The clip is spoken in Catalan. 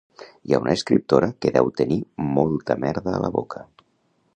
Hi ha una escriptora que deu tenir molta merda a la boca